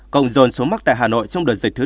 cộng dồn xuống mắc tại hà nội trong đợt dịch thứ bốn